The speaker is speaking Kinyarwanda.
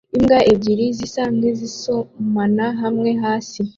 Imbwa ebyiri zisa nkizisomana hamwe hasi